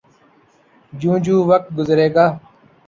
جوں جوں وقت گزرے گا۔